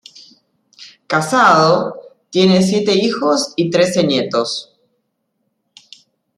Casado, tiene siete hijos y trece nietos.